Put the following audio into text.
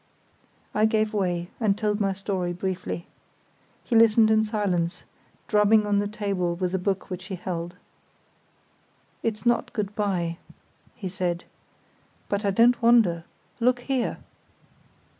I gave way, and told my story briefly. He listened in silence, drumming on the table with a book which he held. "It's not good bye," he said. "But I don't wonder; look here!"